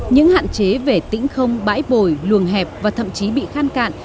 những hạn chế về tĩnh không bãi bồi luồng hẹp và thậm chí bị khăn cạn